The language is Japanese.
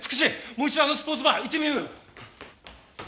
もう一度あのスポーツバー行ってみようよ。